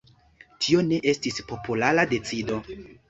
Tio ne estis populara decido.